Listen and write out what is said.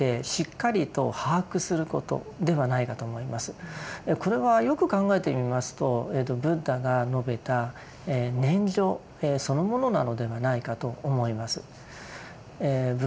それはこれはよく考えてみますとブッダが述べた念処そのものなのではないかと思います。